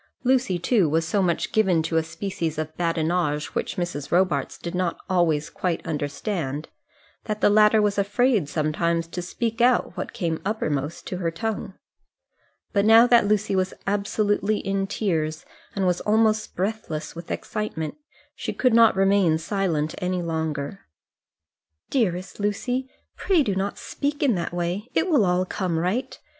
Lucy, too, was so much given to a species of badinage which Mrs. Robarts did not always quite understand, that the latter was afraid sometimes to speak out what came uppermost to her tongue. But now that Lucy was absolutely in tears, and was almost breathless with excitement, she could not remain silent any longer. "Dearest Lucy, pray do not speak in that way; it will all come right.